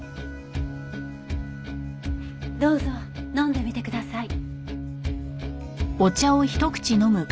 どうぞ飲んでみてください。